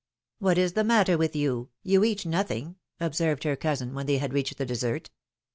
^^What is the matter with you? You eat nothing!" observed her cousin, when they had reached the dessert.